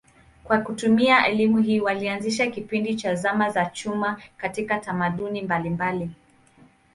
Kwa kutumia elimu hii walianzisha kipindi cha zama za chuma katika tamaduni mbalimbali.